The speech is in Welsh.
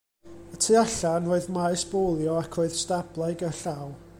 Y tu allan, roedd maes bowlio ac roedd stablau gerllaw.